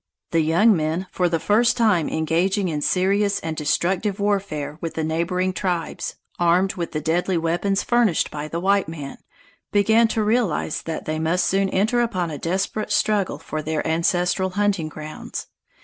The young men, for the first time engaging in serious and destructive warfare with the neighboring tribes, armed with the deadly weapons furnished by the white man, began to realize that they must soon enter upon a desperate struggle for their ancestral hunting grounds.